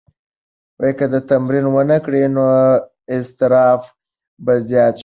که ته تمرین ونه کړې نو اضطراب به زیات شي.